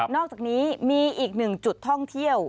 อกจากนี้มีอีกหนึ่งจุดท่องเที่ยว